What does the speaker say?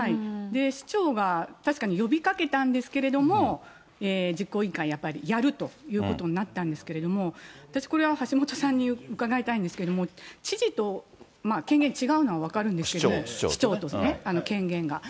市長が確かに呼びかけたんですけれども、実行委員会はやっぱりやるということになったんですけれども、私これは橋下さんに伺いたいんですけども、知事と権限違うのは分かるんですけれども、市長と権限が。